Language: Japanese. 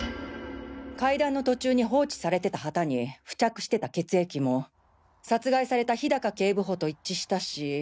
階段の途中に放置されてた旗に付着してた血液も殺害された氷高警部補と一致したし。